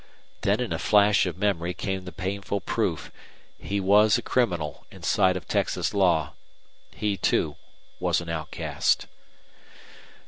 Then in a flash of memory came the painful proof he was a criminal in sight of Texas law; he, too, was an outcast.